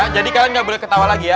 jadi kalian enggak boleh ketawa lagi ya